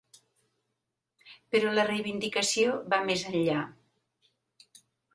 Però la reivindicació va més enllà.